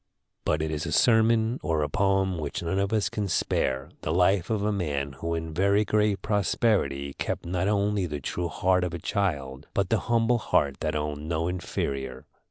But it is a sermon or a poem which none of us can spare, the life of a man who in very great prosperity kept not only the true heart of a child, but the humble heart that owned no inferior.